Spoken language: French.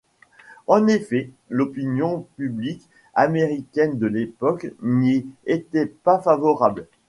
En effet l'opinion publique américaine de l'époque n'y était pas favorable.